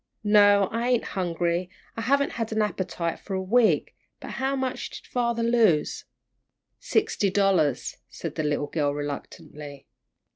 "No, I ain't hungry; I haven't had an appetite for a week. How much did father lose?" "Sixty dollars," said the little girl, reluctantly.